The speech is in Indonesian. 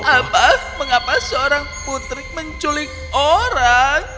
apa mengapa seorang putri menculik orang